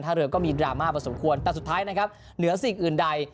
ถ้าเริ่มก็มีดราม่าพอสมควรแต่สุดท้ายไหนแล้วสิ่งอื่นใด